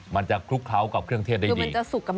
มันจะคลุกเคล้ากับเครื่องเทศได้ดี